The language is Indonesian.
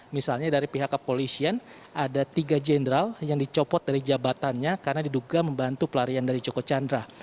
misalnya dari pihak kepolisian ada tiga jenderal yang dicopot dari jabatannya karena diduga membantu pelarian dari joko chandra